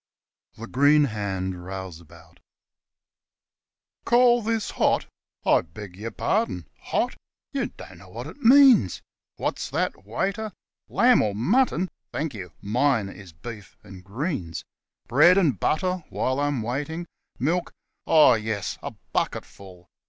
THE GREEN HAND ROUSEABOUT CALL this hot ? I beg your pardon. Hot ! you don't know what it means. (What's that, waiter 1 ? lamb or mutton! Thank you mine is beef and greens. Bread and butter while I'm waiting. Milk? Oh, yes a bucketful.)